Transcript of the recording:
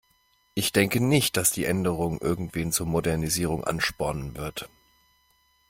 Ich denke nicht, dass die Änderung irgendwen zur Modernisierung anspornen wird.